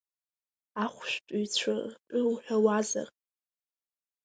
Ахәшәтәыҩцәа ртәы уҳәауазар…